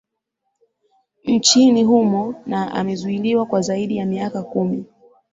nchini humo na amezuiliwa kwa zaidi ya miaka kumi